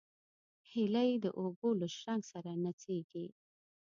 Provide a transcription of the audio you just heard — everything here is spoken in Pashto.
هیلۍ د اوبو له شرنګ سره نڅېږي